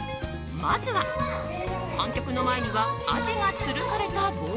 まずは観客の前にはアジがつるされた棒。